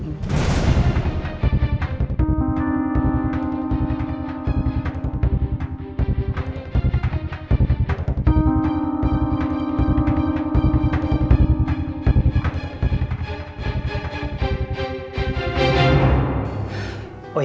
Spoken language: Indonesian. kamu bisa jatuhan gaya